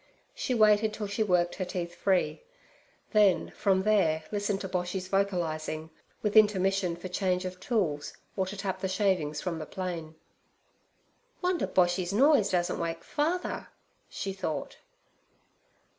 She waited till she worked her teeth free, then from there listened to Boshy's vocalizing, with intermission for change of tools or to tap the shavings from the plane. 'Wonder Boshy's noise doesn't wake father!' she thought.